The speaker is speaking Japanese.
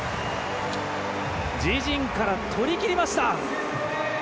自陣から取りきりました！